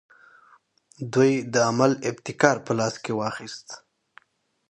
دوی د عمل ابتکار په لاس کې واخیست.